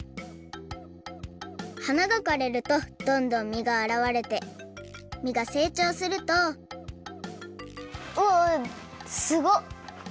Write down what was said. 花がかれるとどんどん実があらわれて実がせいちょうするとおすごっ！